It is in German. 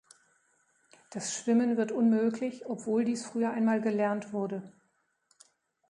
Das Schwimmen wird unmöglich, obwohl dies früher einmal gelernt wurde.